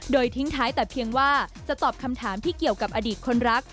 โดยทิ้งท้ายแต่เพียงว่าจะตอบคำถามที่เกี่ยวกับอดีตคนรัก